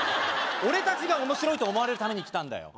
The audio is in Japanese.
俺達が面白いと思われるために来たんだよ